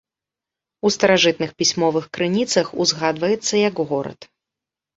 У старажытных пісьмовых крыніцах узгадваецца як горад.